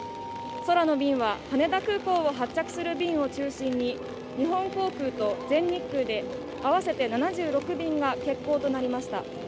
空の便は、羽田空港を発着する便を中心に、日本航空と全日空で合わせて７６便が欠航となりました。